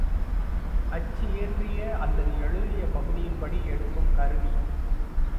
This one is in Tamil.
அச்சியற்றிய அல்லது எழுதிய பகுதியின் படி எடுக்குங் கருவி.